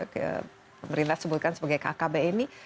pemerintah sebutkan sebagai kkb ini